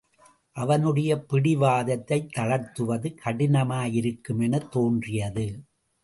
அவனுடைய பிடிவாதத்தைத் தளர்த்துவது கடினமாயிருக்குமெனத் தோன்றியது.